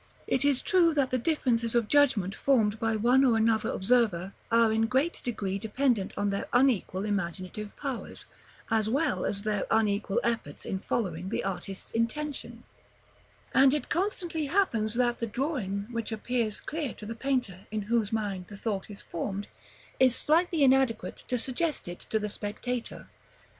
It is true that the differences of judgment formed by one or another observer are in great degree dependent on their unequal imaginative powers, as well as their unequal efforts in following the artist's intention; and it constantly happens that the drawing which appears clear to the painter in whose mind the thought is formed, is slightly inadequate to suggest it to the spectator.